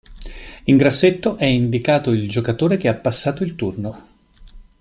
In grassetto è indicato il giocatore che ha passato il turno.